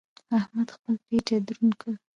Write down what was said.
احمد خپل پېټی دروند کړ.